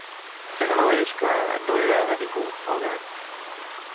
Però no deies que no era de ningú, el gat?